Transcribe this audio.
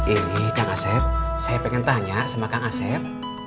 ini kang asep saya pengen tanya sama kang asep